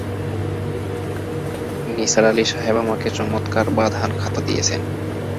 নিসার আলি সাহেব আমাকে চমৎকার বাঁধান খাতা দিয়েছেন।